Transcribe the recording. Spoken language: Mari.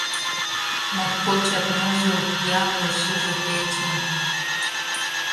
Моткочак ныжыл, ямле шыже кече!